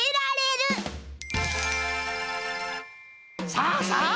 さあさあ